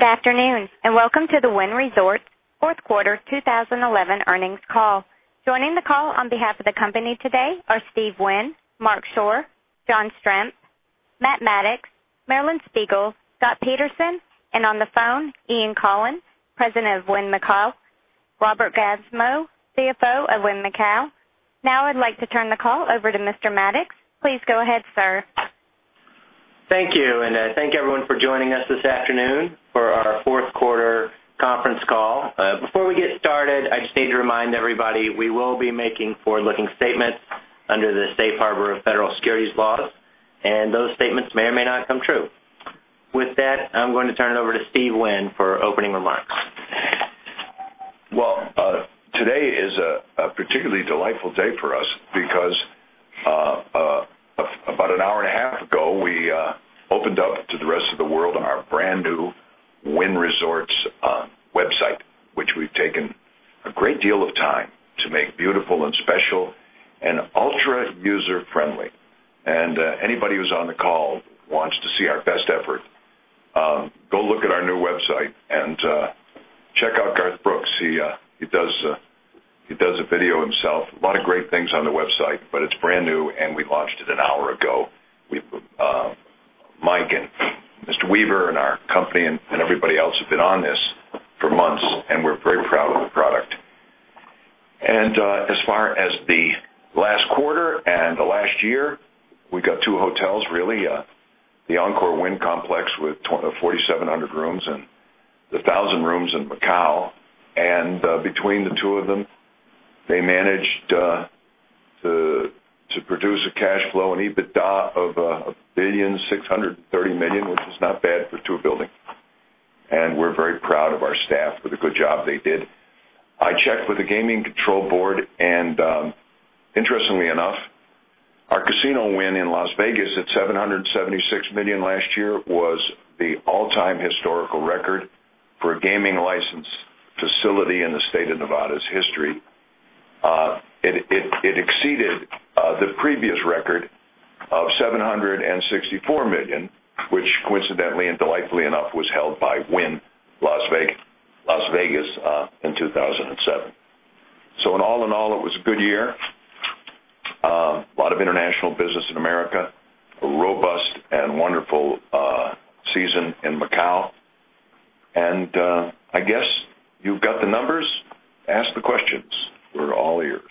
Good afternoon and welcome to the Wynn Resorts' fourth quarter 2011 earnings call. Joining the call on behalf of the company today are Steve Wynn, Marc Schorr, John Stramp, Matt Maddox, Marilyn Spiegel, Scott Peterson, and on the phone, Ian Coughlan, President of Wynn Macau, Robert Gansmo, CFO of Wynn Macau. Now I'd like to turn the call over to Mr. Maddox. Please go ahead, sir. Thank you, and thank everyone for joining us this afternoon for our Fourth Quarter Conference Call. Before we get started, I just need to remind everybody we will be making forward-looking statements under the safe harbor of federal securities laws, and those statements may or may not come true. With that, I'm going to turn it over to Steve Wynn for opening remarks. Today is a particularly delightful day for us because about an hour and a half ago we opened up to the rest of the world our brand new Wynn Resorts website, which we've taken a great deal of time to make beautiful and special and ultra user-friendly. Anybody who's on the call wants to see our best effort, go look at our new website and check out Garth Brooks. He does a video himself. A lot of great things on the website, but it's brand new and we launched it an hour ago. Mike and Mr. Weaver and our company and everybody else have been on this for months, and we're very proud of the product. As far as the last quarter and the last year, we got two hotels, really, the Encore Wynn Complex with 4,700 rooms and 1,000 rooms in Macau, and between the two of them, they managed to produce a cash flow and EBITDA of $1.63 billion, which is not bad for two buildings. We're very proud of our staff for the good job they did. I checked with the gaming control board, and interestingly enough, our casino win in Las Vegas at $776 million last year was the all-time historical record for a gaming license facility in the state of Nevada's history. It exceeded the previous record of $764 million, which coincidentally and delightfully enough was held by Wynn Las Vegas in 2007. All in all, it was a good year, a lot of international business in America, a robust and wonderful season in Macau, and I guess you've got the numbers, ask the questions. We're all ears.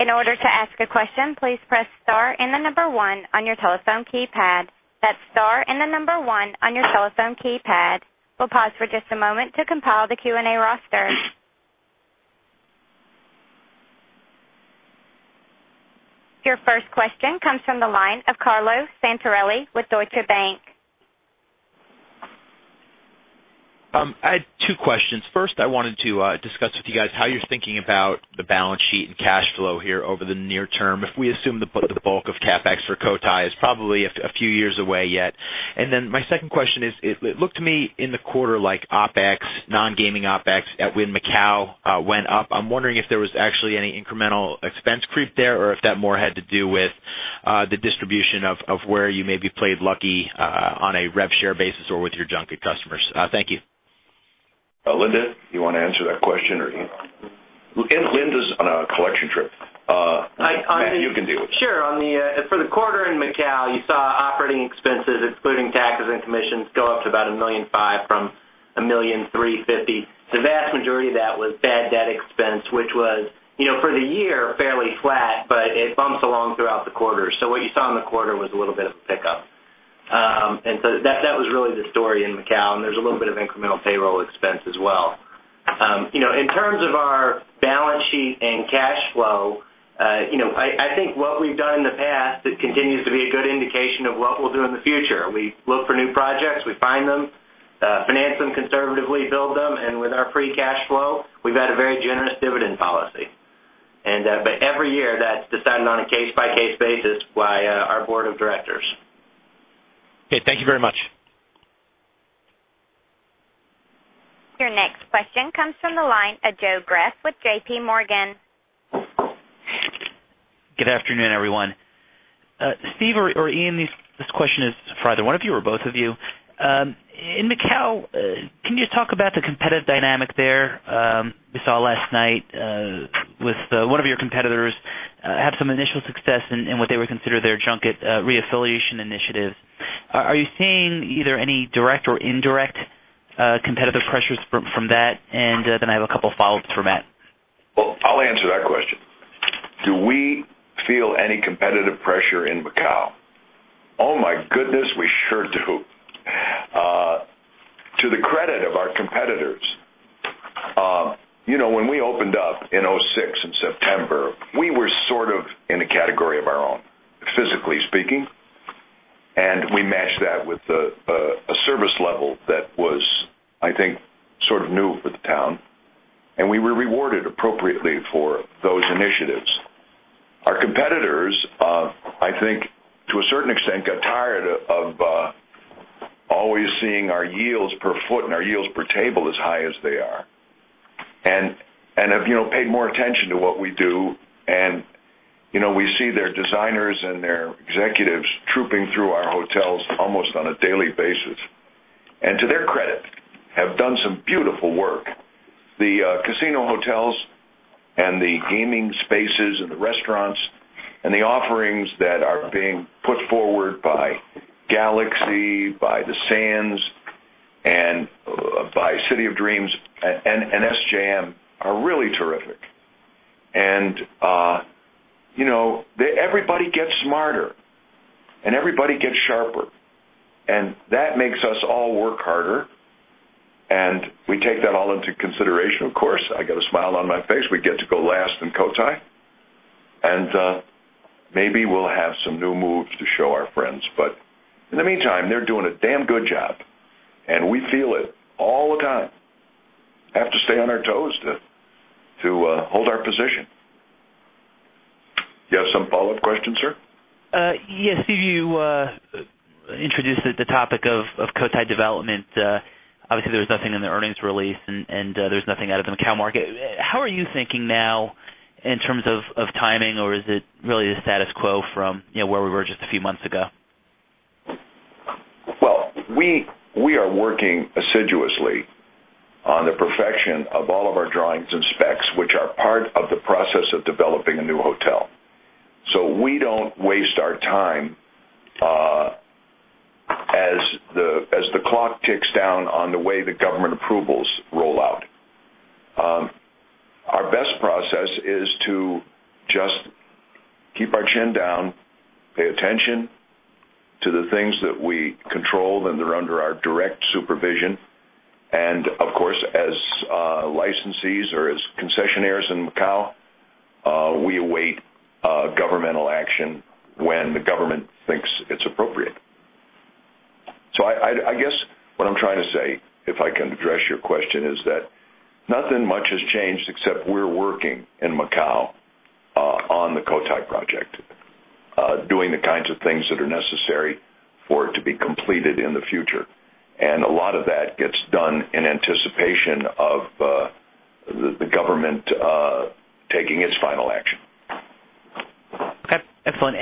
In order to ask a question, please press star and the number one on your telephone keypad. That's star and the number one on your telephone keypad. We'll pause for just a moment to compile the Q&A roster. Your first question comes from the line of Carlo Santarelli with Deutsche Bank. I had two questions. First, I wanted to discuss with you guys how you're thinking about the balance sheet and cash flow here over the near term. If we assume the bulk of CapEx for Cotai, it's probably a few years away yet. My second question is, it looked to me in the quarter like OpEx, non-gaming OpEx at Wynn Macau went up. I'm wondering if there was actually any incremental expense creep there or if that more had to do with the distribution of where you maybe played lucky on a rev share basis or with your junket customers. Thank you. Linda, you want to answer that question or you? Chen's on a collection trip. You can do it. Sure. For the quarter in Macau, you saw operating expenses, including taxes and commissions, go up to about $1.5 million from $1.35 million. The vast majority of that was bad debt expense, which was, you know, for the year fairly flat, but it bumps along throughout the quarter. What you saw in the quarter was a little bit of a pickup. That was really the story in Macau, and there's a little bit of incremental payroll expense as well. In terms of our balance sheet and cash flow, I think what we've done in the past continues to be a good indication of what we'll do in the future. We look for new projects, we find them, finance them conservatively, build them, and with our free cash flow, we've had a very generous dividend policy. Every year, that's decided on a case-by-case basis by our board of directors. Okay, thank you very much. Your next question comes from the line of Joe Gress with J.P. Morgan. Good afternoon, everyone. Steve or Ian, this question is for either one of you or both of you. In Macau, can you talk about the competitive dynamic there? We saw last night with one of your competitors have some initial success in what they would consider their junket reaffiliation initiatives. Are you seeing either any direct or indirect competitive pressures from that? I have a couple of follow-ups for Matt. I'll answer that question. Do we feel any competitive pressure in Macau? Oh my goodness, we sure do. To the credit of our competitors, when we opened up in 2006 in September, we were sort of in a category of our own, physically speaking, and we matched that with a service level that was, I think, sort of new for the town, and we were rewarded appropriately for those initiatives. Our competitors, I think, to a certain extent, got tired of always seeing our yields per foot and our yields per table as high as they are, and have paid more attention to what we do. We see their designers and their executives trooping through our hotels almost on a daily basis. To their credit, they have done some beautiful work. The casino hotels and the gaming spaces and the restaurants and the offerings that are being put forward by Galaxy, by Sands, and by City of Dreams and SJM are really terrific. Everybody gets smarter and everybody gets sharper, and that makes us all work harder, and we take that all into consideration, of course. I got a smile on my face. We get to go last in Cotai, and maybe we'll have some new moves to show our friends. In the meantime, they're doing a damn good job, and we feel it all the time. Have to stay on our toes to hold our position. Do you have some follow-up questions, sir? Yes, Steve, you introduced the topic of Cotai development. Obviously, there was nothing in the earnings release, and there's nothing out of the Macau market. How are you thinking now in terms of timing, or is it really the status quo from where we were just a few months ago? We are working assiduously on the perfection of all of our drawings and specs, which are part of the process of developing a new hotel. We don't waste our time as the clock ticks down on the way the government approvals roll out. Our best process is to just keep our chin down, pay attention to the things that we control and that are under our direct supervision. Of course, as licensees or as concessionaires in Macau, we await governmental action when the government thinks it's appropriate. I guess what I'm trying to say, if I can address your question, is that nothing much has changed except we're working in Macau on the Cotai project, doing the kinds of things that are necessary for it to be completed in the future. A lot of that gets done in anticipation of the government taking its final action. Excellent.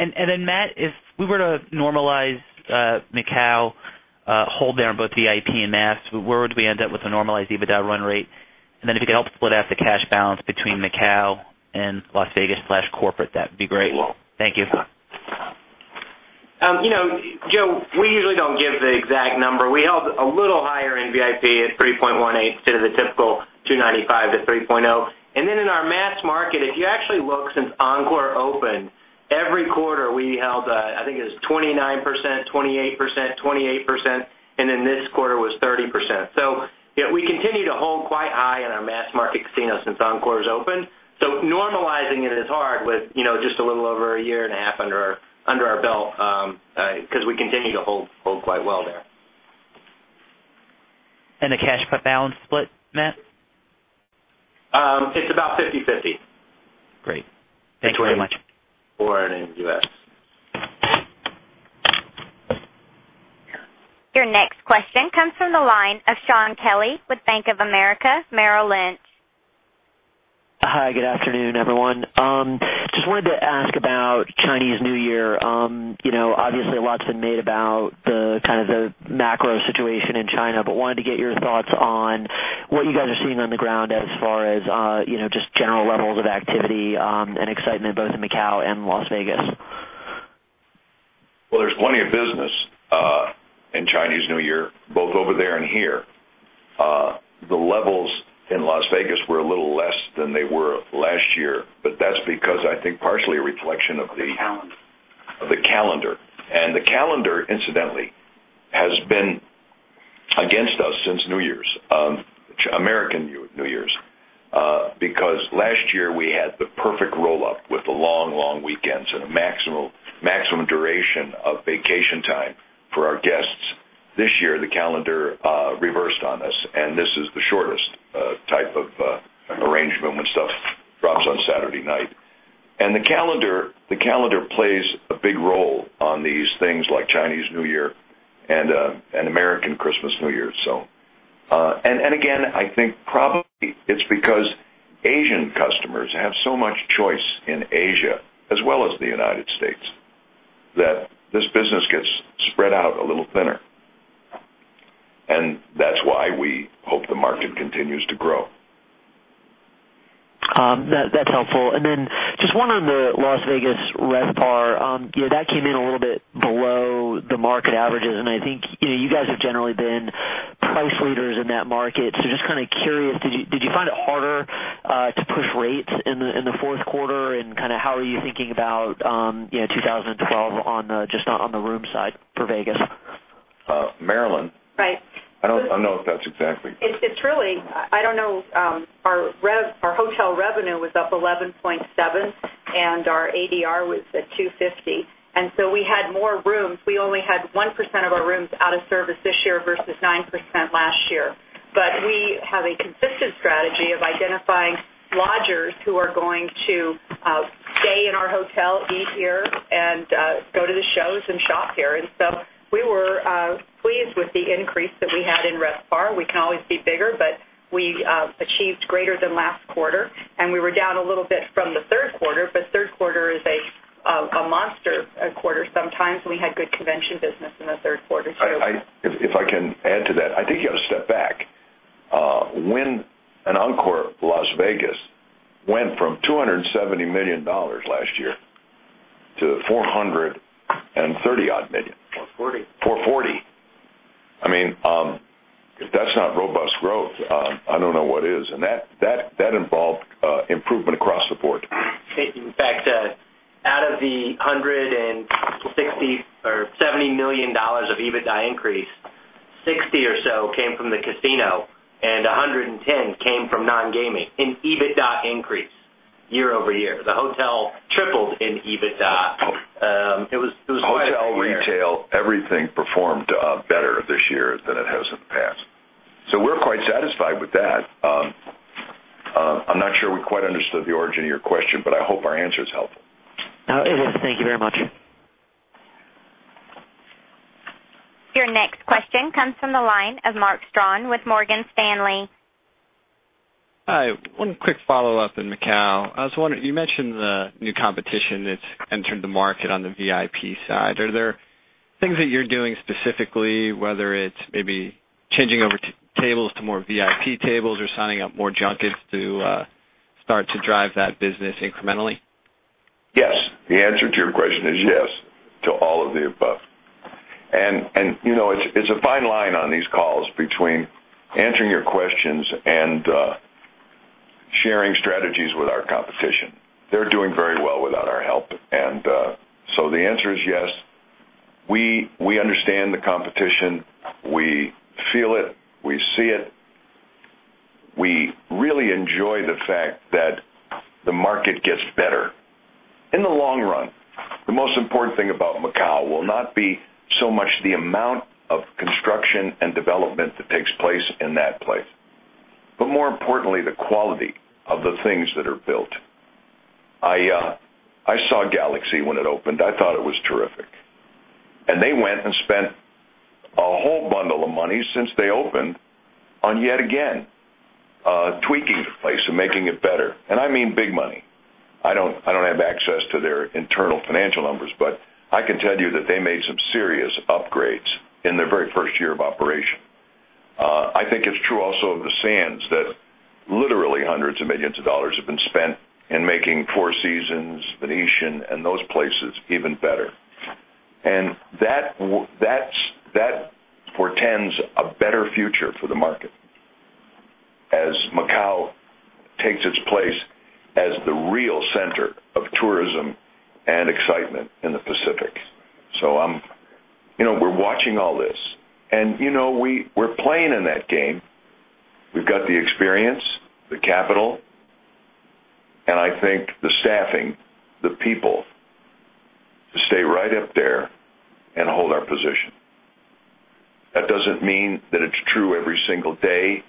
Matt, if we were to normalize Macau, hold down both VIP and mass, where would we end up with a normalized EBITDA run rate? If you could help split out the cash balance between Macau and Las Vegas/corporate, that would be great. Well. Thank you. You know, Joe, we usually don't give the exact number. We held a little higher in VIP at 3.18% instead of the typical 2.95%-3.0%. In our mass market, if you actually look, since Encore opened, every quarter we held, I think it was 29%, 28%, 28%, and this quarter was 30%. We continue to hold quite high in our mass market casino since Encore has opened. Normalizing it is hard with just a little over a year and a half under our belt because we continue to hold quite well there. The cash balance split, Matt? It's about 50/50. Great. Thank you very much. Forwarding you that. Your next question comes from the line of Sean Kelley with Bank of America. Hi, good afternoon, everyone. Just wanted to ask about Chinese New Year. Obviously, a lot's been made about the kind of the macro situation in China, but wanted to get your thoughts on what you guys are seeing on the ground as far as just general levels of activity and excitement both in Macau and Las Vegas. There is plenty of business in Chinese New Year, both over there and here. The levels in Las Vegas were a little less than they were last year, but that's because I think partially a reflection of the calendar. The calendar, incidentally, has been against us since New Year's, American New Year's, because last year we had the perfect roll-up with the long, long weekends and a maximum duration of vacation time for our guests. This year, the calendar reversed on us, and this is the shortest type of arrangement when stuff drops on Saturday night. The calendar plays a big role on these things like Chinese New Year and American Christmas New Year. I think probably it's because Asian customers have so much choice in Asia as well as the United States that this business gets spread out a little thinner. That's why we hope the market continues to grow. That's helpful. Just one on the Las Vegas RevPAR, you know, that came in a little bit below the market averages, and I think, you know, you guys have generally been buzz-feeders in that market. Just kind of curious, did you find it harder to push rates in the fourth quarter? How are you thinking about, you know, 2012 on the room side for Las Vegas? Marilyn. Right. I don't know if that's exactly. It's really, I don't know, our hotel revenue was up 11.7% and our ADR was at $250 million. We had more rooms. We only had 1% of our rooms out of service this year versus 9% last year. We have a consistent strategy of identifying lodgers who are going to stay in our hotel, eat here, and go to the shows and shop here. We were pleased with the increase that we had in RevPAR. We can always be bigger, but we achieved greater than last quarter. We were down a little bit from the third quarter. The third quarter is a monster quarter sometimes. We had good convention business in the third quarter, too. If I can add to that, I think you ought to step back. When Encore Las Vegas went from $270 million last year to $430-odd million. $40 million For $40 million. I mean, if that's not robust growth, I don't know what it is. That involved improvement across the board. In fact, out of the $160 million or $170 million of EBITDA increase, $60 million or so came from the casino and $110 million came from non-gaming in EBITDA increase year-over-year. The hotel tripled in EBITDA. Hotel, retail, everything performed better this year than it has in the past. We are quite satisfied with that. I'm not sure we quite understood the origin of your question, but I hope our answer is helpful. It was, thank you very much. Your next question comes from the line of Mark Strawn with Morgan Stanley. Hi. One quick follow-up in Macau. I was wondering, you mentioned the new competition that's entered the market on the VIP side. Are there things that you're doing specifically, whether it's maybe changing over tables to more VIP tables or signing up more junkets to start to drive that business incrementally? Yes. The answer to your question is yes to all of the above. You know, it's a fine line on these calls between answering your questions and sharing strategies with our competition. They're doing very well without our help. The answer is yes. We understand the competition. We feel it. We see it. We really enjoy the fact that the market gets better. In the long run, the most important thing about Macau will not be so much the amount of construction and development that takes place in that place, but more importantly, the quality of the things that are built. I saw Galaxy when it opened. I thought it was terrific. They went and spent a whole bundle of money since they opened on yet again tweaking the place and making it better. I mean big money. I don't have access to their internal financial numbers, but I can tell you that they made some serious upgrades in their very first year of operation. I think it's true also of Sands China that literally hundreds of millions of dollars have been spent in making Four Seasons, Venetian, and those places even better. That's for tens, a better future for the market as Macau takes its place as the real center of tourism and excitement in the Pacific. We're watching all this. We're playing in that game. We've got the experience, the capital, and I think the staffing, the people to stay right up there and hold our position. That doesn't mean that it's true every single day,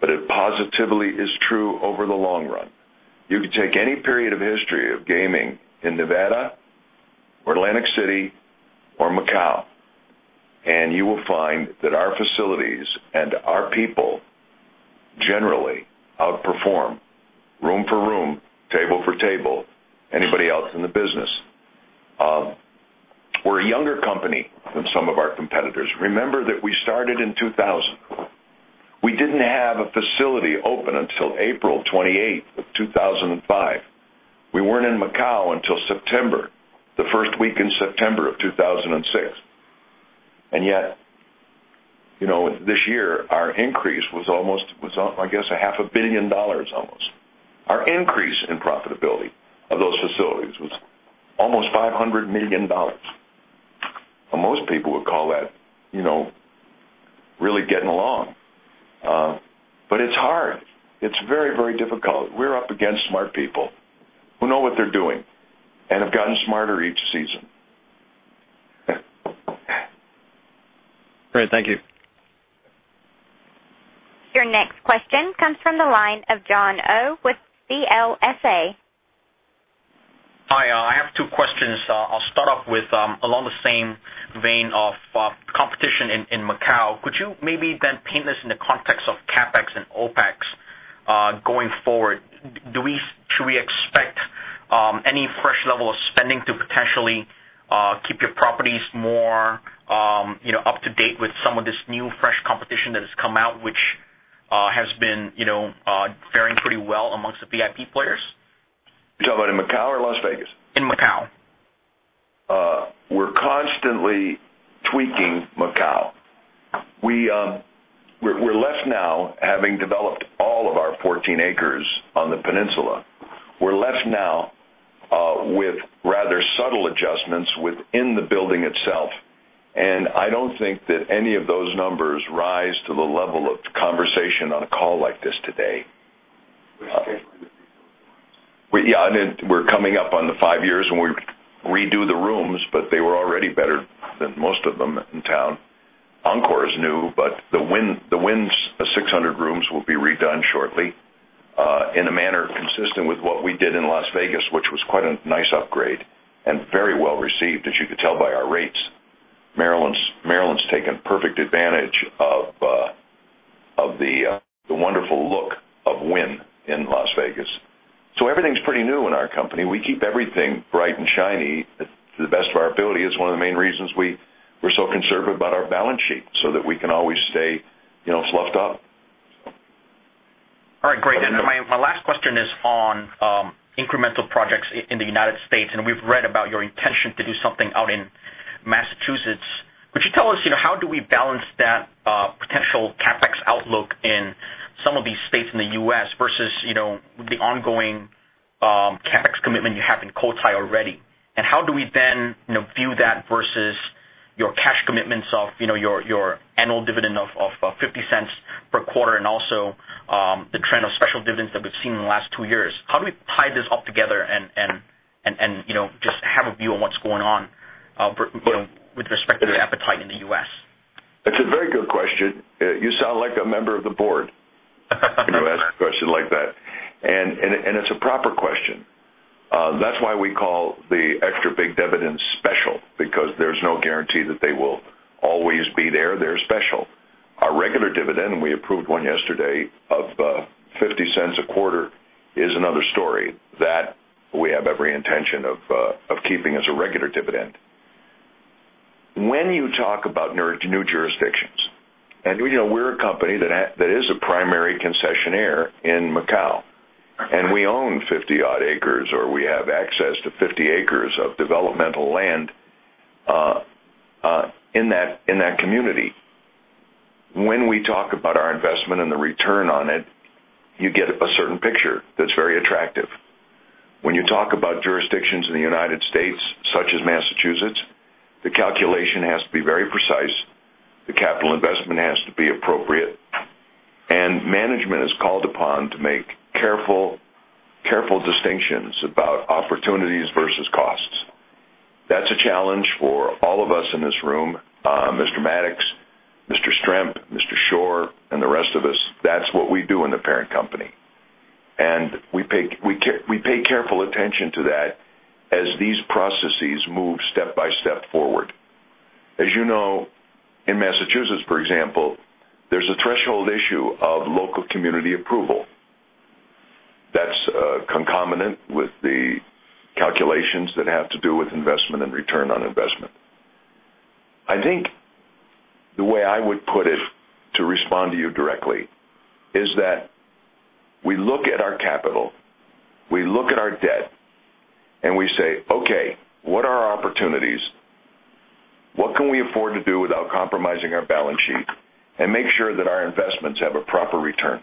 but it positively is true over the long run. You could take any period of history of gaming in Nevada or Atlantic City or Macau, and you will find that our facilities and our people generally outperform room for room, table for table, anybody else in the business. We're a younger company than some of our competitors. Remember that we started in 2000. We didn't have a facility open until April 28, 2005. We weren't in Macau until September, the first week in September of 2006. This year, our increase was almost, I guess, a half a billion dollars almost. Our increase in profitability of those facilities was almost $500 million. Most people would call that really getting along. It's hard. It's very, very difficult. We're up against smart people who know what they're doing and have gotten smarter each season. Great. Thank you. Your next question comes from the line of John DeCree with CLSA. Hi. I have two questions. I'll start off with along the same vein of competition in Macau. Could you maybe then paint this in the context of CapEx and OpEx going forward? Should we expect any fresh level of spending to potentially keep your properties more, you know, up to date with some of this new fresh competition that has come out, which has been, you know, faring pretty well amongst the VIP players? You talking about in Macau or Las Vegas? In Macau. We're constantly tweaking Macau. We're less now having developed all of our 14 acres on the peninsula. We're less now with rather subtle adjustments within the building itself. I don't think that any of those numbers rise to the level of conversation on a call like this today. We're coming up on the five years when we redo the rooms, but they were already better than most of them in town. Encore is new, but the Wynn's 600 rooms will be redone shortly in a manner consistent with what we did in Las Vegas, which was quite a nice upgrade and very well received, as you could tell by our rates. Marilyn's taken perfect advantage of the wonderful look of Wynn in Las Vegas. Everything's pretty new in our company. We keep everything bright and shiny to the best of our ability. It's one of the main reasons we're so conservative about our balance sheet so that we can always stay, you know, sloughed off. All right, great. My last question is on incremental projects in the United States. We've read about your intention to do something out in Massachusetts. Could you tell us how do we balance that potential CapEx outlook in some of these states in the U.S. versus the ongoing CapEx commitment you have in Cotai already? How do we then view that versus your cash commitments of your annual dividend of $0.50 per quarter and also the trend of special dividends that we've seen in the last two years? How do we tie this up together and just have a view on what's going on with respect to the appetite in the U.S.? That's a very good question. You sound like a member of the board when you ask a question like that. It's a proper question. That's why we call the extra big dividends special, because there's no guarantee that they will always be there. They're special. Our regular dividend, and we approved one yesterday of $0.50 a quarter, is another story that we have every intention of keeping as a regular dividend. When you talk about new jurisdictions, and you know, we're a company that is a primary concessionaire in Macau, and we own 50-odd acres or we have access to 50 acres of developmental land in that community. When we talk about our investment and the return on it, you get a certain picture that's very attractive. When you talk about jurisdictions in the United States, such as Massachusetts, the calculation has to be very precise. The capital investment has to be appropriate. Management is called upon to make careful distinctions about opportunities versus costs. That's a challenge for all of us in this room, Mr. Maddox, Mr. Schorr, and the rest of us. That's what we do in the parent company. We pay careful attention to that as these processes move step by step forward. As you know, in Massachusetts, for example, there's a threshold issue of local community approval that's concomitant with the calculations that have to do with investment and return on investment. I think the way I would put it to respond to you directly is that we look at our capital, we look at our debt, and we say, okay, what are our opportunities? What can we afford to do without compromising our balance sheet and make sure that our investments have a proper return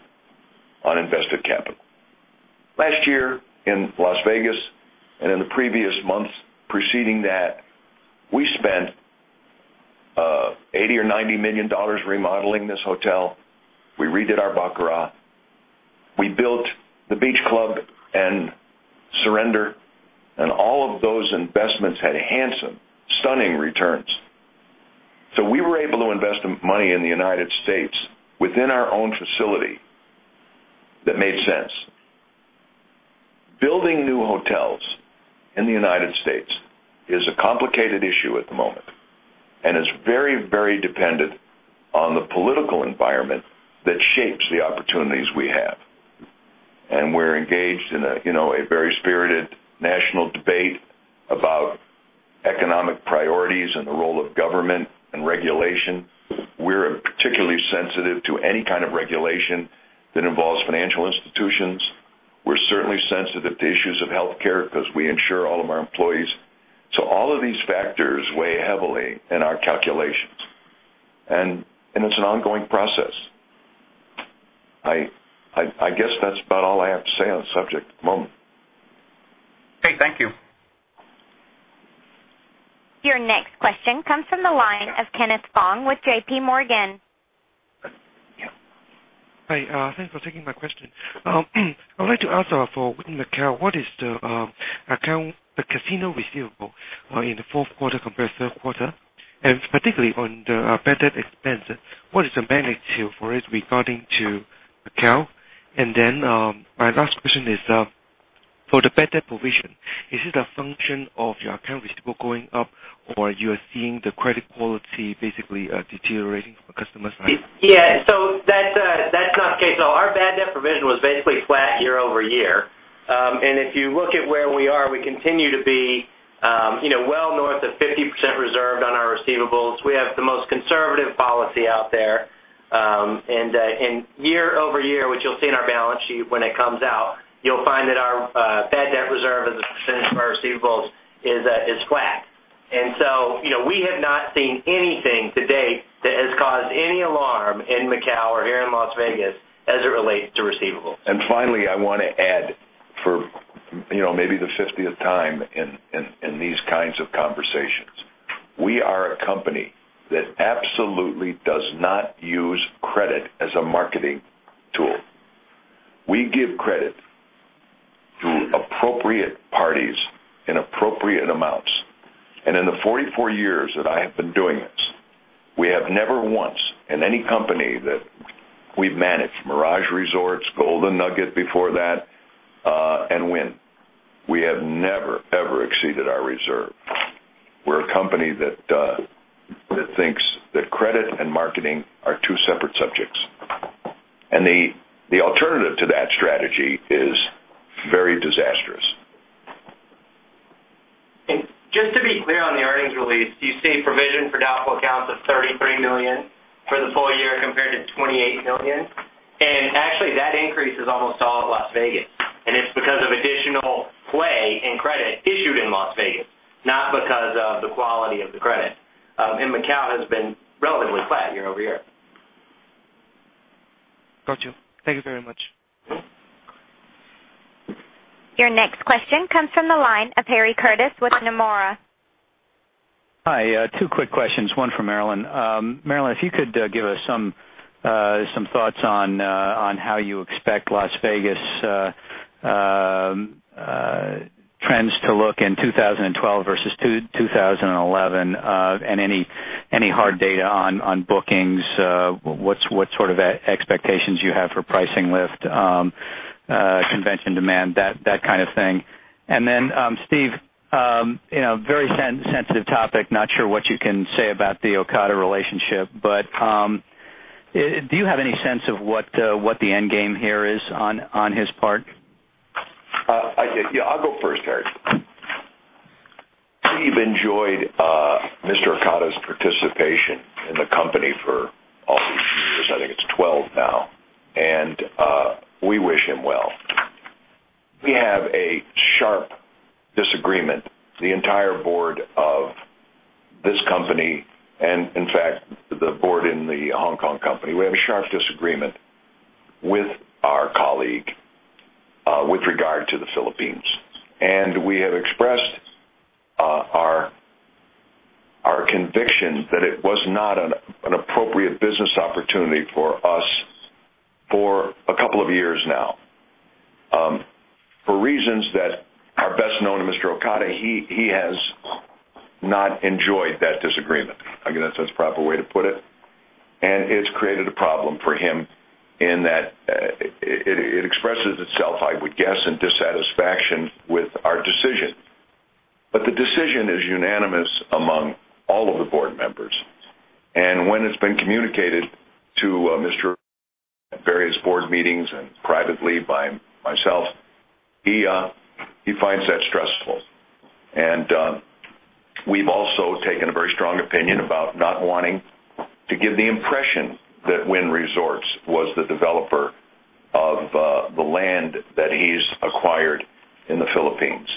on invested capital? Last year in Las Vegas and in the previous month preceding that, we spent $80 million or $90 million remodeling this hotel. We redid our Baccarat. We built the beach club and Surrender, and all of those investments had handsome, stunning returns. We were able to invest money in the United States within our own facility that made sense. Building new hotels in the United States is a complicated issue at the moment and is very, very dependent on the political environment that shapes the opportunities we have. We're engaged in a very spirited national debate about economic priorities and the role of government and regulation. We're particularly sensitive to any kind of regulation that involves financial institutions. We're certainly sensitive to issues of healthcare because we insure all of our employees. All of these factors weigh heavily in our calculations. It's an ongoing process. I guess that's about all I have to say on the subject at the moment. Great, thank you. Your next question comes from the line of Kenneth Fong with JPMorgan. Hi. Thanks for taking my question. I would like to ask for Wynn Macau, what is the casino receivable in the fourth quarter compared to the third quarter? Particularly on the bad debt expense, what is the magnitude for it regarding to Macau? My last question is for the bad debt provision, is it a function of your account receivable going up or are you seeing the credit quality basically deteriorating from a customer's side? Yeah, that's not the case. Our bad debt provision was basically flat year-over-year. If you look at where we are, we continue to be well north of 50% reserved on our receivables. We have the most conservative policy out there. Year-over-year, which you'll see in our balance sheet when it comes out, you'll find that our bad debt reserve as a percentage of our receivables is flat. We have not seen anything to date that has caused any alarm in Macau or here in Las Vegas as it relates to receivables. Finally, I want to add for, you know, maybe the 50th time in these kinds of conversations, we are a company that absolutely does not use credit as a marketing tool. We give credit to appropriate parties in appropriate amounts. In the 44 years that I have been doing this, we have never once in any company that we've managed, Mirage Resorts, Golden Nugget before that, and Wynn Resorts, we have never, ever exceeded our reserve. We are a company that thinks that credit and marketing are two separate subjects. The alternative to that strategy is very disastrous. Just to be clear on the earnings release, you see provision for doubtful accounts of $33 million for the full year compared to $28 million. That increase is almost all at Las Vegas, and it's because of additional play in credit issued in Las Vegas, not because of the quality of the credit. Macau has been relatively flat year-over year. Got you. Thank you very much. Your next question comes from the line of Harry Curtis with Nomura. Hi. Two quick questions, one for Marilyn. Marilyn, if you could give us some thoughts on how you expect Las Vegas trends to look in 2012 versus 2011, and any hard data on bookings, what sort of expectations you have for pricing lift, convention demand, that kind of thing. Steve, you know, very sensitive topic, not sure what you can say about the Okada relationship, but do you have any sense of what the end game here is on his part? I do. Yeah, I'll go first, Harry. Steve enjoyed Mr. Okada's participation in the company for all those years. I think it's 12 now, and we wish him well. We have a sharp disagreement, the entire board of this company, and in fact, the board in the Hong Kong company. We have a sharp disagreement with our colleague with regard to the Philippines, and we have expressed our conviction that it was not an appropriate business opportunity for us for a couple of years now. For reasons that are best known to Mr. Okada, he has not enjoyed that disagreement. I guess that's the proper way to put it, and it's created a problem for him in that it expresses itself, I would guess, in dissatisfaction with our decision. The decision is unanimous among all of the board members. When it's been communicated to Mr. Okada at various board meetings and privately by myself, he finds that stressful. We've also taken a very strong opinion about not wanting to give the impression that Wynn Resorts was the developer of the land that he's acquired in the Philippines,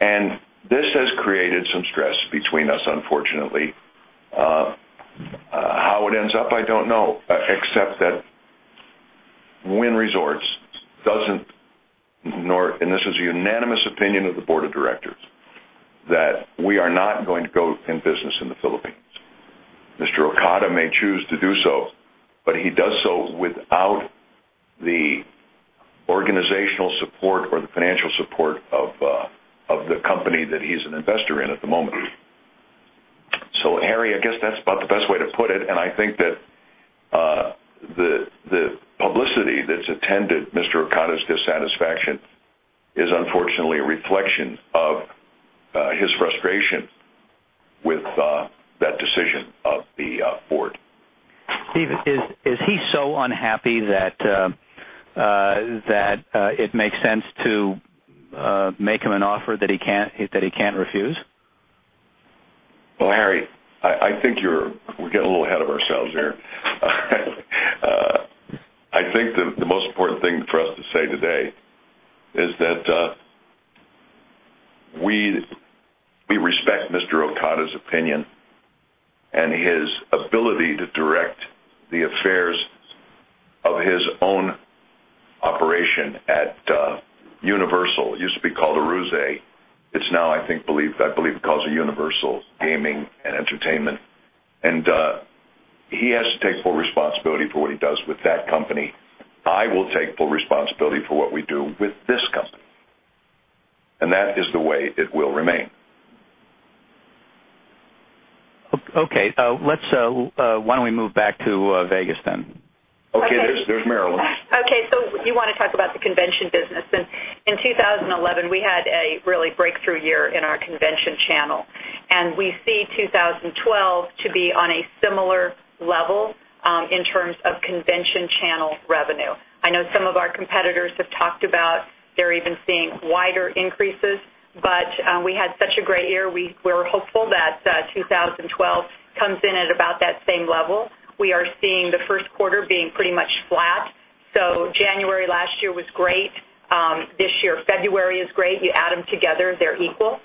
and this has created some stress between us, unfortunately. How it ends up, I don't know, except that Wynn Resorts doesn't, and this is a unanimous opinion of the board of directors, that we are not going to go in business in the Philippines. Mr. Okada may choose to do so, but he does so without the organizational support or the financial support of the company that he's an investor in at the moment. Harry, I guess that's about the best way to put it. I think that the publicity that's attended Mr. Okada's dissatisfaction is unfortunately a reflection of his frustration with that decision of the board. Steve, is he so unhappy that it makes sense to make him an offer that he can't refuse? I think we're getting a little ahead of ourselves here. I think the most important thing for us to say today is that we respect Mr. Okada's opinion and his ability to direct the affairs of his own operation at Universal. It used to be called Aruze. I believe he calls it Universal Gaming and Entertainment. He has to take full responsibility for what he does with that company. I will take full responsibility for what we do with this company. That is the way it will remain. Okay, why don't we move back to Las Vegas then? Okay, there's Marilyn Spiegel. Okay, do you want to talk about the convention business? In 2011, we had a really breakthrough year in our convention channel, and we see 2012 to be on a similar level in terms of convention channel revenue. I know some of our competitors have talked about they're even seeing wider increases, but we had such a great year. We were hopeful that 2012 comes in at about that same level. We are seeing the first quarter being pretty much flat. January last year was great. This year, February is great. You add them together, they're equal.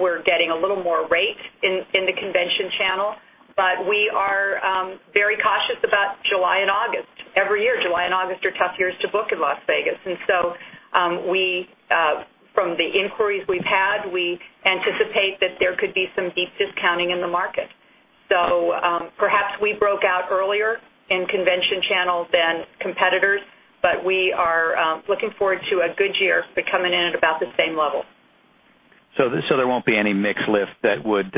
We're getting a little more rate in the convention channel. We are very cautious about July and August. Every year, July and August are tough years to book in Las Vegas. From the inquiries we've had, we anticipate that there could be some deep discounting in the market. Perhaps we broke out earlier in convention channel than competitors, but we are looking forward to a good year for coming in at about the same level. There won't be any mixed lift that would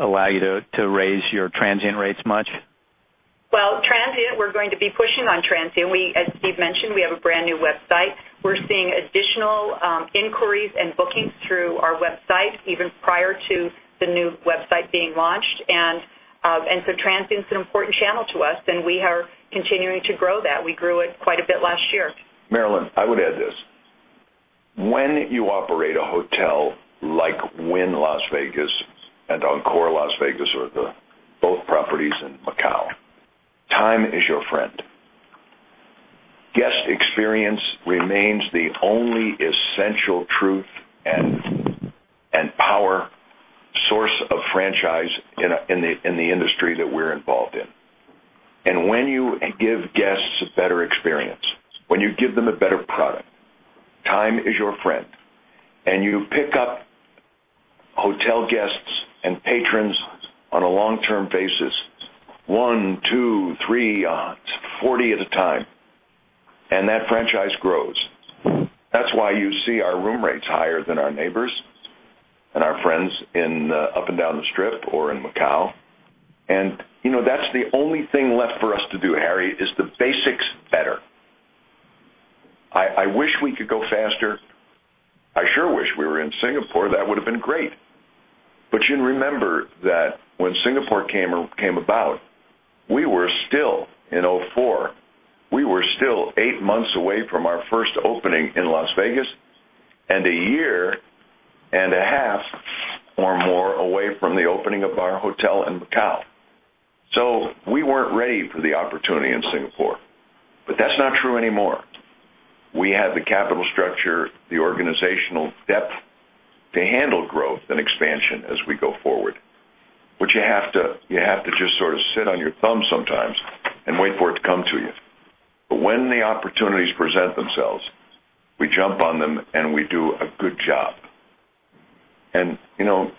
allow you to raise your transient rates much? Transient, we're going to be pushing on transient. As Steve Wynn mentioned, we have a brand new Wynn Resorts website. We're seeing additional inquiries and bookings through our website even prior to the new website being launched. Transient's an important channel to us, and we are continuing to grow that. We grew it quite a bit last year. Marilyn, I would add this. When you operate a hotel like Wynn Las Vegas and Encore Las Vegas Wynn Complex or both properties in Macau, time is your friend. Guest experience remains the only essential truth and power source of franchise in the industry that we're involved in. When you give guests a better experience, when you give them a better product, time is your friend. You pick up hotel guests and patrons on a long-term basis, one, two, three, 40 at a time, and that franchise grows. That's why you see our room rates higher than our neighbors and our friends up and down the Strip or in Macau. You know, that's the only thing left for us to do, Harry, is the basics better. I wish we could go faster. I sure wish we were in Singapore. That would have been great. You can remember that when Singapore came about, we were still in 2004. We were still eight months away from our first opening in Las Vegas and a year and a half or more away from the opening of our hotel in Macau. We weren't ready for the opportunity in Singapore. That's not true anymore. We have the capital structure and the organizational depth to handle growth and expansion as we go forward. You have to just sort of sit on your thumb sometimes and wait for it to come to you. When the opportunities present themselves, we jump on them and we do a good job. You know,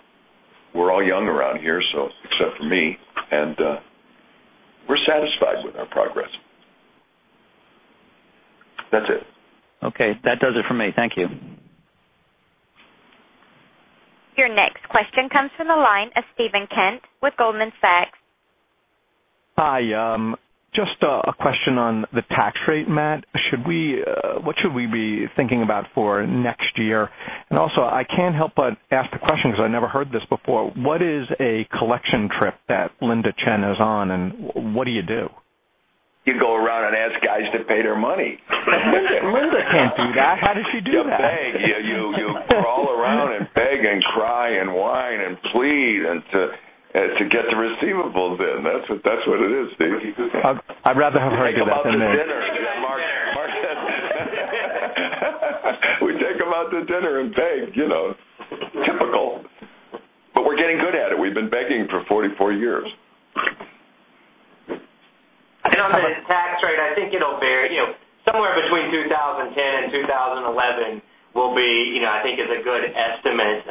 we're all young around here, except for me, and we're satisfied with our progress. That's it. Okay, that does it for me. Thank you. Your next question comes from the line of Stephen Kent with Goldman Sachs. Hi. Just a question on the tax rate, Matt. What should we be thinking about for next year? Also, I can't help but ask the question because I never heard this before. What is a collection trip that Linda Chen is on and what do you do? You go around and ask guys to pay their money. Linda can't do that. How does she do that? You call around and beg and cry and whine and plead to get the receivables in. That's what it is, Steve. I'd rather have her go to dinner. We take them out to dinner and beg, you know. Typical. We're getting good at it. We've been begging for 44 years. On the tax rate, I think it'll vary. You know, somewhere between 2010 and 2011 will be, you know, I think is a good estimate.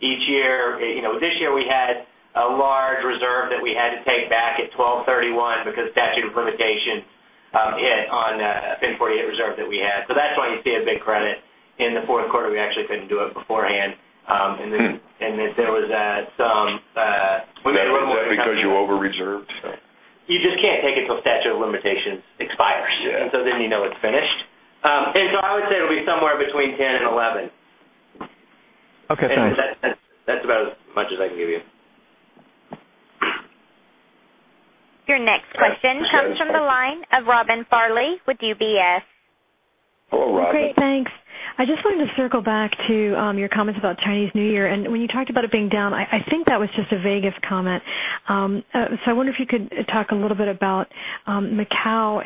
Each year, you know, this year we had a large reserve that we had to take back at 12/31 because statute of limitation hit on a 1048 reserve that we had. That's why you see a big credit in the fourth quarter. We actually couldn't do it beforehand. If there was some. Was that because you over-reserved? You just can't take it till statute of limitations expires, and you know it's finished. I would say it'll be somewhere between 2010 and 2011. Okay, thanks. That's about as much as I can give you. Your next question comes from the line of Robin Farley with UBS. Thank you. I just wanted to circle back to your comments about Chinese New Year. When you talked about it being down, I think that was just a Las Vegas comment. I wonder if you could talk a little bit about Macau.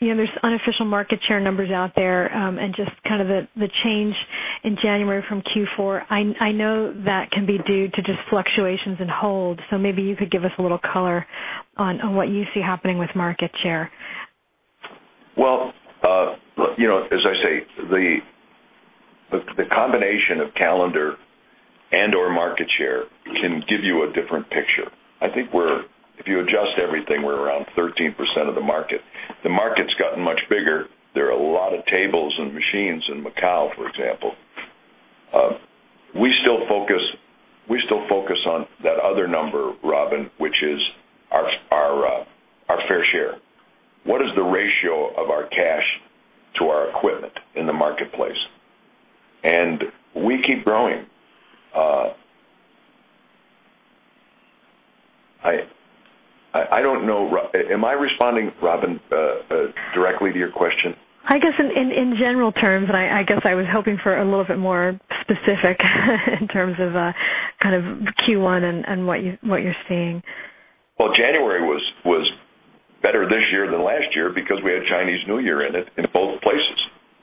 You know, there are unofficial market share numbers out there and just kind of the change in January from Q4. I know that can be due to just fluctuations in hold. Maybe you could give us a little color on what you see happening with market share. As I say, the combination of calendar and/or market share can give you a different picture. I think if you adjust everything, we're around 13% of the market. The market's gotten much bigger. There are a lot of tables and machines in Macau, for example. We still focus on that other number, Robin, which is our fair share. What is the ratio of our cash to our equipment in the marketplace? We keep growing. I don't know. Am I responding, Robin, directly to your question? I guess in general terms, I was hoping for a little bit more specific in terms of kind of Q1 and what you're seeing. January was better this year than last year because we had Chinese New Year in it in both places.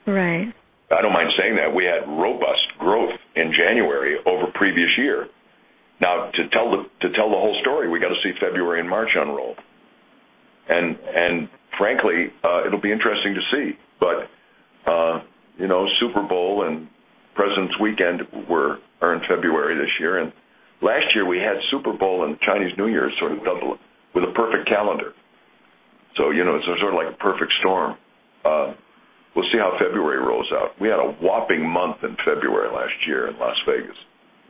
Right. I don't mind saying that. We had robust growth in January over previous year. Now, to tell the whole story, we got to see February and March unroll. Frankly, it'll be interesting to see. You know, Super Bowl and President's Weekend are in February this year. Last year, we had Super Bowl and Chinese New Year sort of done with a perfect calendar. You know, it's sort of like a perfect storm. We'll see how February rolls out. We had a whopping month in February last year in Las Vegas.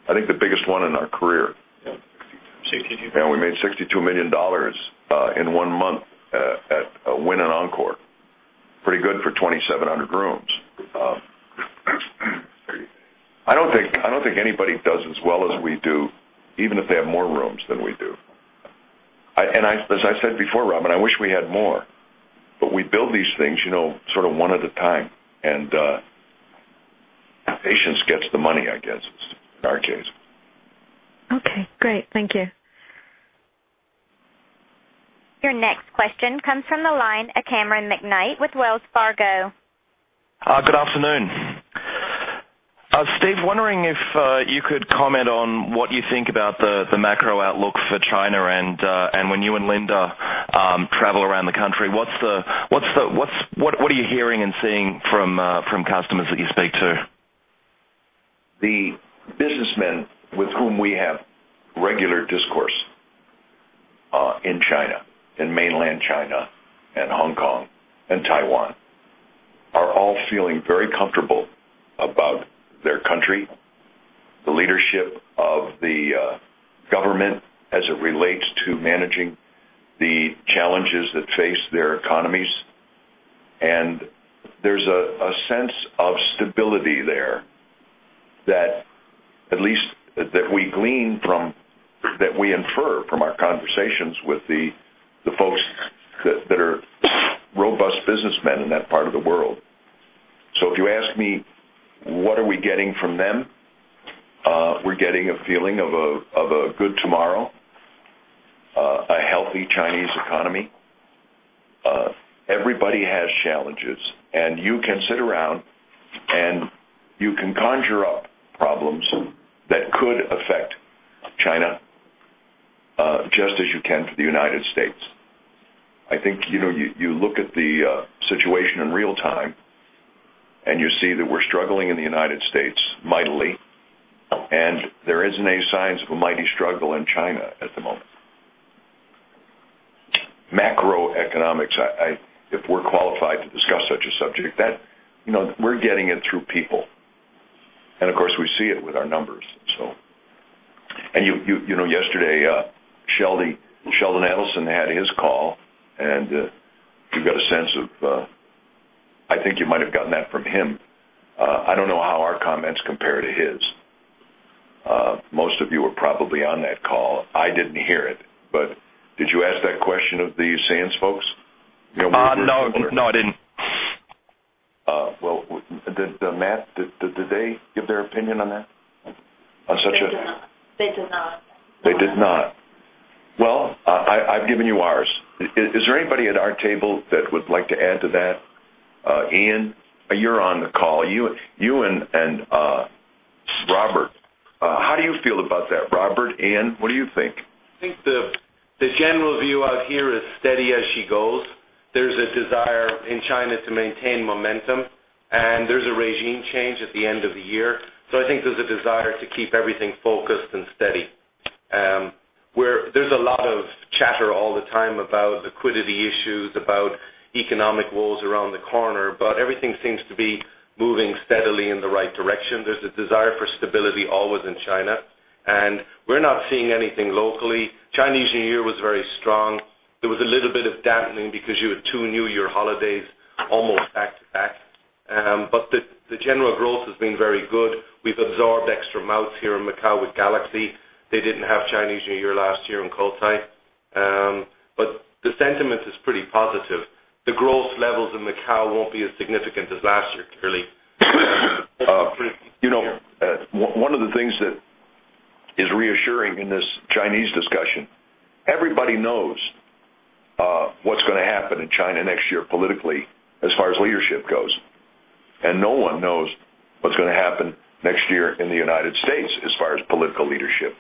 I think the biggest one in our career. $62 million? Yeah, we made $62 million in one month at Wynn and Encore. Pretty good for 2,700 rooms. I don't think anybody does as well as we do, even if they have more rooms than we do. As I said before, Robin, I wish we had more. We build these things, you know, sort of one at a time. Patience gets the money, I guess, in our case. Okay, great. Thank you. Your next question comes from the line of Cameron McKnight with Wells Fargo. Good afternoon. Steve, wondering if you could comment on what you think about the macro outlook for China. When you and Linda travel around the country, what are you hearing and seeing from customers that you speak to? The businessmen with whom we have regular discourse in China, in mainland China, and Hong Kong, and Taiwan are all feeling very comfortable about their country, the leadership of the government as it relates to managing the challenges that face their economies. There's a sense of stability there that at least we glean from, that we infer from our conversations with the folks that are robust businessmen in that part of the world. If you ask me, what are we getting from them? We're getting a feeling of a good tomorrow, a healthy Chinese economy. Everybody has challenges. You can sit around and you can conjure up problems that could affect China just as you can for the United States. I think, you know, you look at the situation in real time and you see that we're struggling in the United States mightily, and there isn't any signs of a mighty struggle in China at the moment. Macroeconomics, if we're qualified to discuss such a subject, that, you know, we're getting it through people. Of course, we see it with our numbers, so. You know, yesterday, Sheldon Adelson had his call, and you've got a sense of, I think you might have gotten that from him. I don't know how our comments compare to his. Most of you were probably on that call. I didn't hear it. Did you ask that question of the Sands folks? No, I didn't. Did Matt, did they give their opinion on that? They did not. I've given you ours. Is there anybody at our table that would like to add to that? Ian, you're on the call. You and Robert, how do you feel about that? Robert, Ian, what do you think? I think the general view out here is steady as she goes. There's a desire in China to maintain momentum, and there's a regime change at the end of the year. I think there's a desire to keep everything focused and steady. There's a lot of chatter all the time about liquidity issues, about economic wars around the corner, but everything seems to be moving steadily in the right direction. There's a desire for stability always in China. We're not seeing anything locally. Chinese New Year was very strong. There was a little bit of dampening because you had two New Year holidays almost back to back. The general growth has been very good. We've absorbed extra mouths here in Macau with Galaxy. They didn't have Chinese New Year last year in Cotai. The sentiment is pretty positive. The growth levels in Macau won't be as significant as last year. One of the things that is reassuring in this Chinese discussion, everybody knows what's going to happen in China next year politically as far as leadership goes. No one knows what's going to happen next year in the United States as far as political leadership.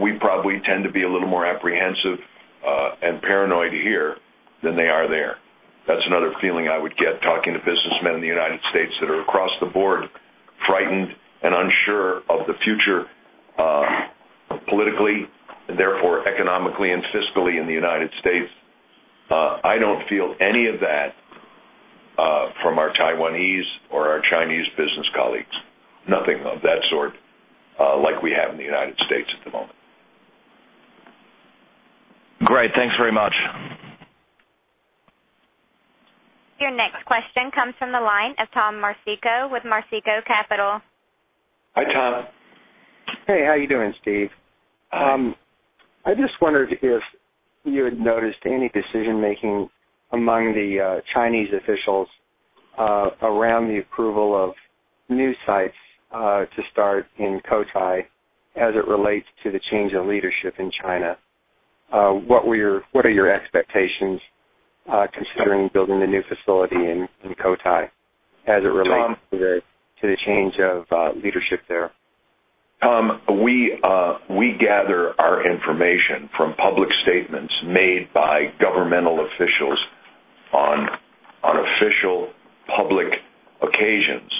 We probably tend to be a little more apprehensive and paranoid here than they are there. That's another feeling I would get talking to businessmen in the United States that are across the board frightened and unsure of the future politically and therefore economically and fiscally in the United States. I don't feel any of that from our Taiwanese or our Chinese business colleagues. Nothing of that sort like we have in the United States at the moment. Great, thanks very much. Your next question comes from the line of Tom Marsico with Marsico Capital. Hi, Tom. Hey, how are you doing, Steve? Hi. I just wondered if you had noticed any decision-making among the Chinese officials around the approval of new sites to start in Cotai as it relates to the change of leadership in China. What are your expectations considering building the new facility in Cotai as it relates to the change of leadership there? We gather our information from public statements made by governmental officials on official public occasions.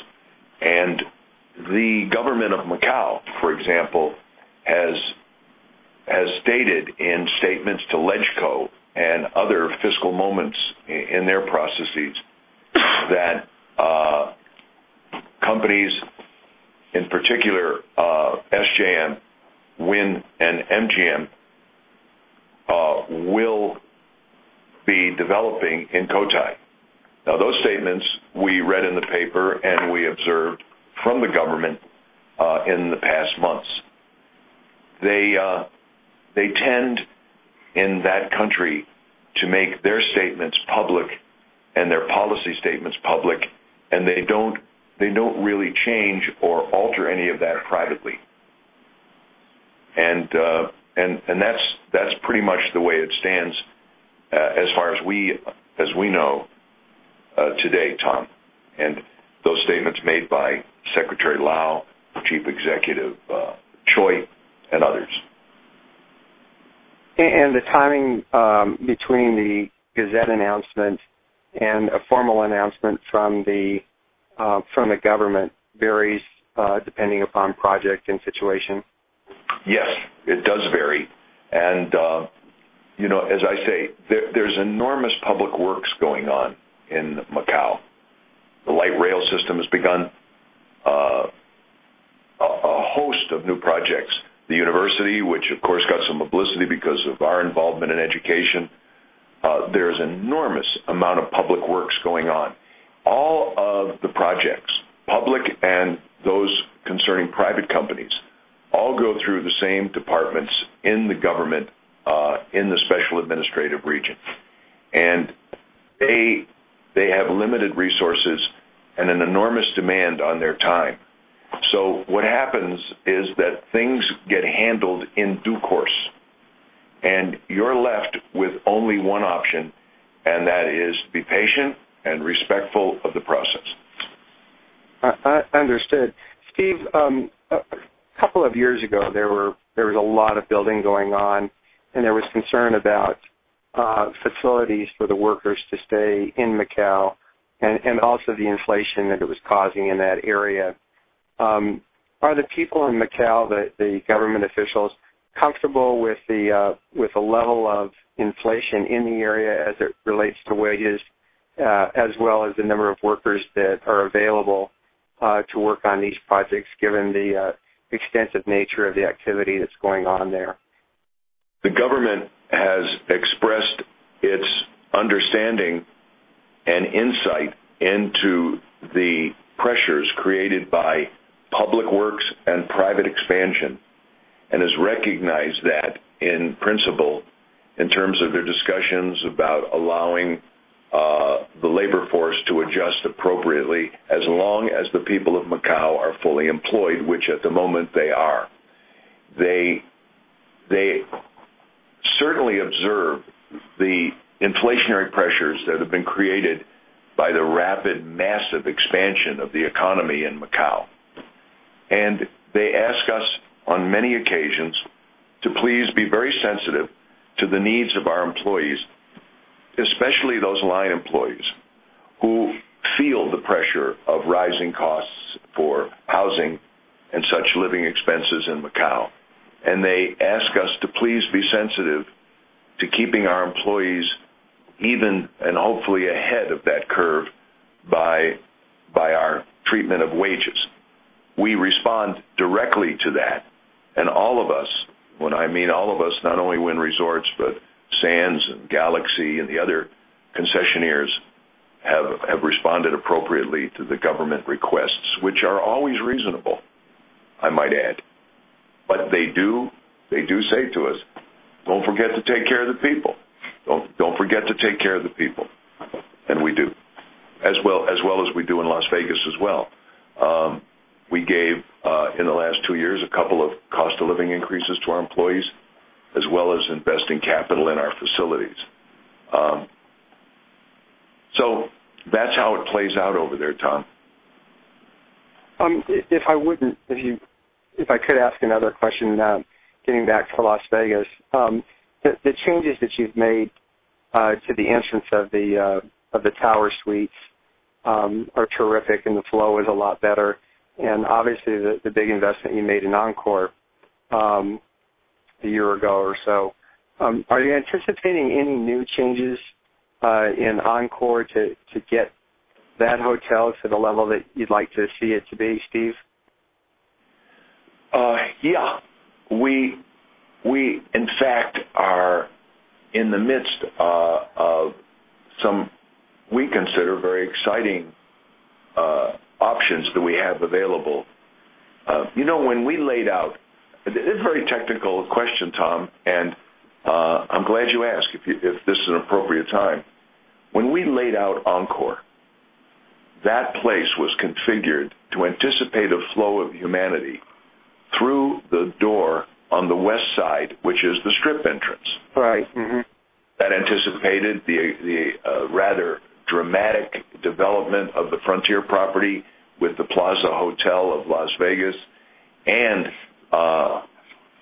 The government of Macau, for example, has stated in statements to LegCo and other fiscal moments in their processes that companies, in particular SJM, Wynn, and MGM, will be developing in Cotai. Those statements we read in the paper and we observed from the government in the past months. They tend in that country to make their statements public and their policy statements public, and they don't really change or alter any of that privately. That's pretty much the way it stands as far as we know today, Tom, and those statements made by Secretary Lau, the Chief Executive Chui, and others. Does the timing between the Gazette announcement and a formal announcement from the government vary depending upon project and situation? Yes, it does vary. As I say, there's enormous public works going on in Macau. The light rail system has begun, and a host of new projects. The university, which of course got some publicity because of our involvement in education. There's an enormous amount of public works going on. All of the projects, public and those concerning private companies, all go through the same departments in the government in the Special Administrative Region. They have limited resources and an enormous demand on their time. What happens is that things get handled in due course, and you're left with only one option, and that is to be patient and respectful of the process. Understood. Steve, a couple of years ago, there was a lot of building going on, and there was concern about facilities for the workers to stay in Macau and also the inflation that it was causing in that area. Are the people in Macau, the government officials, comfortable with the level of inflation in the area as it relates to wages, as well as the number of workers that are available to work on these projects, given the extensive nature of the activity that's going on there? The government has expressed its understanding and insight into the pressures created by public works and private expansion and has recognized that in principle in terms of their discussions about allowing the labor force to adjust appropriately as long as the people of Macau are fully employed, which at the moment they are. They certainly observe the inflationary pressures that have been created by the rapid, massive expansion of the economy in Macau. They ask us on many occasions to please be very sensitive to the needs of our employees, especially those line employees who feel the pressure of rising costs for housing and such living expenses in Macau. They ask us to please be sensitive to keeping our employees even and hopefully ahead of that curve by our treatment of wages. We respond directly to that. All of us, when I mean all of us, not only Wynn Resorts, but Sands China and Galaxy Entertainment Group and the other concessionaires have responded appropriately to the government requests, which are always reasonable, I might add. They do say to us, don't forget to take care of the people. Don't forget to take care of the people. We do. As well as we do in Las Vegas as well. We gave, in the last two years, a couple of cost-of-living increases to our employees, as well as investing capital in our facilities. That's how it plays out over there, Tom. If I could ask another question, getting back to Las Vegas, the changes that you've made to the entrance of the tower suites are terrific, and the flow is a lot better. Obviously, the big investment you made in Encore a year ago or so. Are you anticipating any new changes in Encore to get that hotel to the level that you'd like to see it to be, Steve? Yeah. We, in fact, are in the midst of some we consider very exciting options that we have available. You know, when we laid out, it's a very technical question, Tom, and I'm glad you asked if this is an appropriate time. When we laid out Encore, that place was configured to anticipate a flow of humanity through the door on the west side, which is the Strip entrance. Right. That anticipated the rather dramatic development of the Frontier property with the Plaza Hotel of Las Vegas and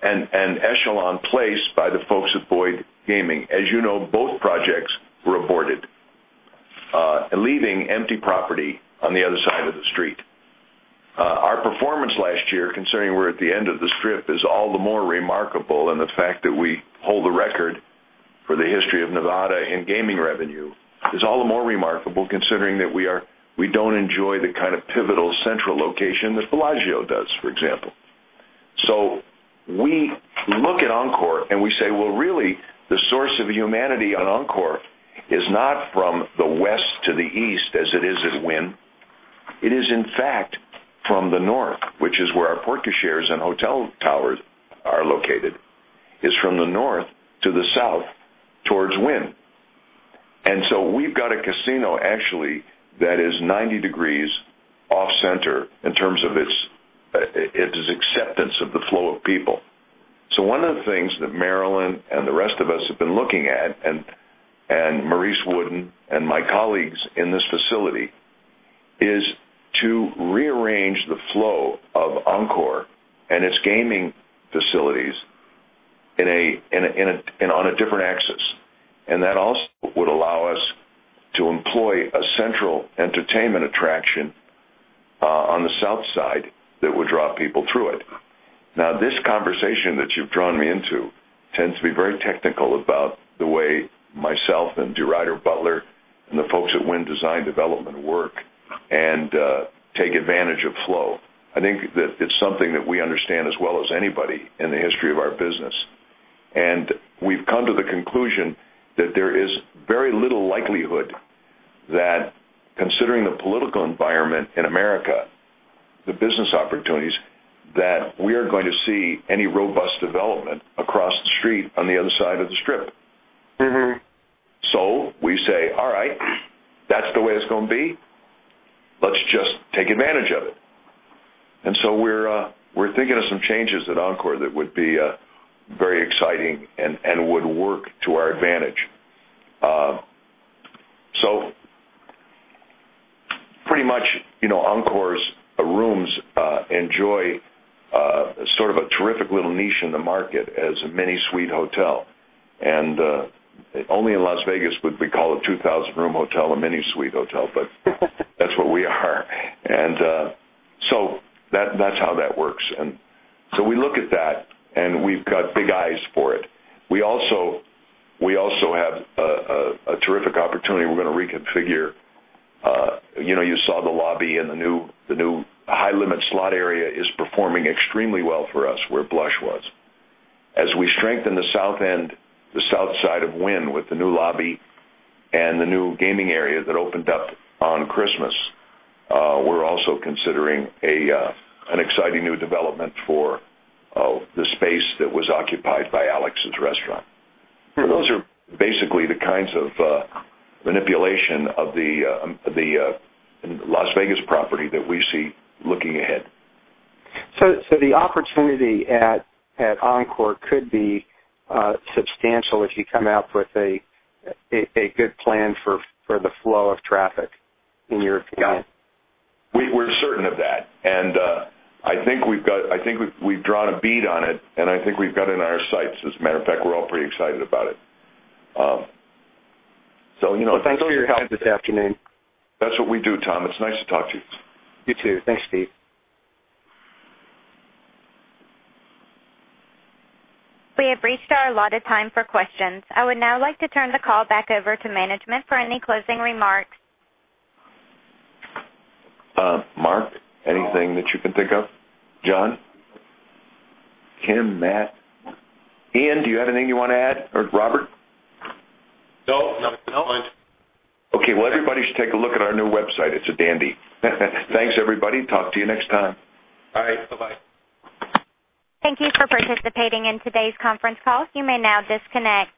an Echelon Place by the folks at Boyd Gaming. As you know, both projects were aborted, leaving empty property on the other side of the street. Our performance last year, considering we're at the end of the Strip, is all the more remarkable, and the fact that we hold the record for the history of Nevada in gaming revenue is all the more remarkable, considering that we don't enjoy the kind of pivotal central location that Bellagio does, for example. We look at Encore and we say, really, the source of humanity on Encore is not from the west to the east as it is at Wynn. It is, in fact, from the north, which is where our porte-cochères and hotel towers are located. It's from the north to the south towards Wynn. We've got a casino, actually, that is 90° off center in terms of its acceptance of the flow of people. One of the things that Marilyn Spiegel and the rest of us have been looking at, and Maurice Wooden and my colleagues in this facility, is to rearrange the flow of Encore and its gaming facilities on a different axis. That also would allow us to employ a central entertainment attraction on the south side that would draw people through it. This conversation that you've drawn me into tends to be very technical about the way myself and DeRuyter Butler and the folks at Wynn Design Development work and take advantage of flow. I think that it's something that we understand as well as anybody in the history of our business. We've come to the conclusion that there is very little likelihood that, considering the political environment in America, the business opportunities, that we are going to see any robust development across the street on the other side of the Strip. We say, all right, that's the way it's going to be. Let's just take advantage of it. We're thinking of some changes at Encore that would be very exciting and would work to our advantage. Pretty much, you know, Encore's rooms enjoy sort of a terrific little niche in the market as a mini-suite hotel. Only in Las Vegas would we call a 2,000-room hotel a mini-suite hotel, but that's what we are. That's how that works. We look at that, and we've got big eyes for it. We also have a terrific opportunity. We're going to reconfigure. You saw the lobby and the new high-limit slot area is performing extremely well for us where Blush was. As we strengthen the south end, the south side of Wynn with the new lobby and the new gaming area that opened up on Christmas, we're also considering an exciting new development for the space that was occupied by Alex's restaurant. Those are basically the kinds of manipulation of the Las Vegas property that we see looking ahead. The opportunity at Encore could be substantial if you come out with a good plan for the flow of traffic, in your opinion. We're certain of that. I think we've drawn a bead on it, and I think we've got it in our sights. As a matter of fact, we're all pretty excited about it. Thank you for your help this afternoon. That's what we do, Tom. It's nice to talk to you. You too. Thanks, Steve. We have reached our allotted time for questions. I would now like to turn the call back over to management for any closing remarks. Mark, anything that you can think of? John? Kim, Matt? Ian, do you have anything you want to add? Or Robert? No, no, that's fine. Okay, everybody should take a look at our new Wynn Resorts website. It's a dandy. Thanks, everybody. Talk to you next time. All right, bye-bye. Thank you for participating in today's conference call. You may now disconnect.